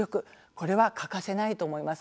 これは欠かせないと思います。